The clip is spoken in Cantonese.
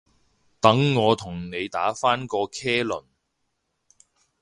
等我同你打返個茄輪